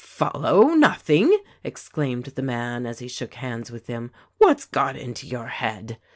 "Follow, nothing!" exclaimed the man as he shook hands with him. "What's got into your head?"